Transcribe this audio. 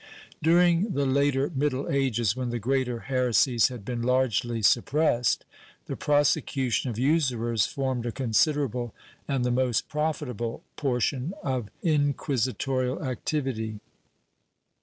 ^ During the later Middle Ages, when the greater heresies had been largely suppressed, the prosecution of usurers formed a considerable, and the most profitable, portion of inqui sitorial activity.